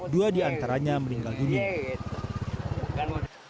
dua diantaranya meninggal dunia